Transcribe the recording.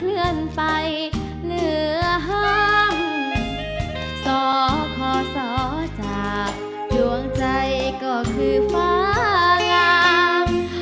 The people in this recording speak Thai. เหลือห้ามส่อคอส่อจาบดวงใจก็คือฟ้าหลาม